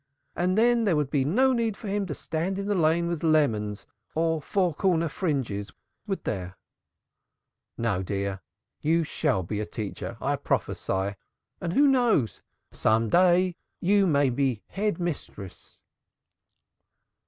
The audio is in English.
And then there would be no need for him to stand in the Lane with lemons or 'four corner fringes,' would there?" "No, dear. You shall be a teacher, I prophesy, and who knows? Some day you may be Head Mistress!"